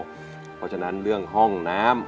เพราะฉะนั้นเรื่องห้องน้ำ